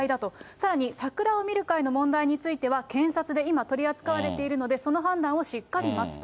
さらに桜を見る会の問題については、検察で今、取り扱われているので、その判断をしっかり待つと。